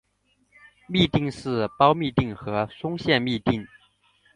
嘧啶是胞嘧啶和胸腺嘧啶。